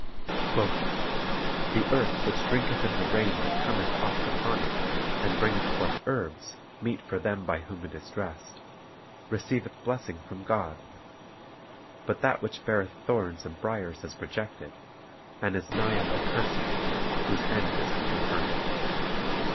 "The earth which drinketh in the rain that cometh oft upon it, and bringeth forth herbs meet for them by whom it is dressed, receiveth blessing from God; but that which beareth thorns and briers is rejected, and is nigh unto cursing; whose end is to be burned."